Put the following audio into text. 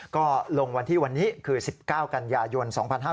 ก็ลงวันที่วันนี้คือ๑๙กันยายน๒๕๕๙